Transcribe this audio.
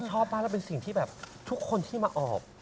ชอบมากแล้วเป็นสิ่งที่แบบทุกคนที่มาออก